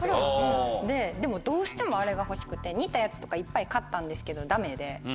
でもどうしてもあれが欲しくて似たやつとかいっぱい買ったんですけどダメで。